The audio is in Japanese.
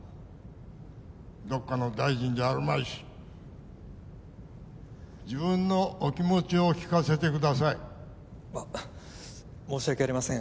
どっかの大臣じゃあるまいし自分のお気持ちを聞かせてくださいあ申し訳ありません